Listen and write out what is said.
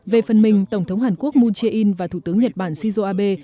về phần mình tổng thống hàn quốc moon jae in và thủ tướng nhật bản shinzo abe